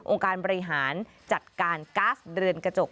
องค์การบริหารจัดการกัสเดือนกระจก